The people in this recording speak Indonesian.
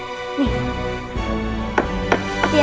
latihan tadi ya